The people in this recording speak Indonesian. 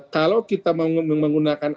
kalau kita menggunakan